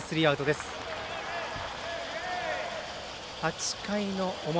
８回の表。